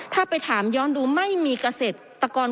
ถ้าไปถามย้อนดูไม่มีเกษตรกร